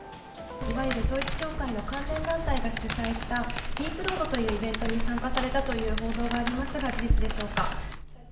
いわゆる統一教会の関連団体が主催したピースロードというイベントに参加されたという報道がありますが、事実でしょうか。